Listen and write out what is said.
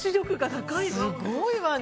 すごいわね。